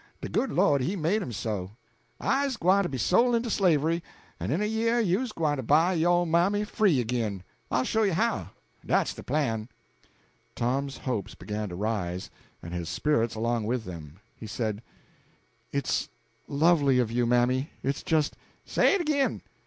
De good Lord he made 'em so. I's gwyne to be sole into slavery, en in a year you's gwyne to buy yo' ole mammy free ag'in. I'll show you how. Dat's de plan." Tom's hopes began to rise, and his spirits along with them. He said "It's lovely of you, mammy it's just " "Say it ag'in!